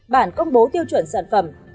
bản công bố tiêu chuẩn sản phẩm